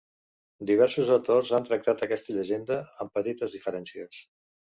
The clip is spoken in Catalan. Diversos autors han tractat aquesta llegenda, amb petites diferències.